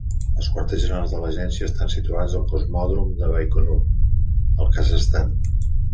Els quarters generals de l'agència estan situats al cosmòdrom de Baikonur, al Kazakhstan.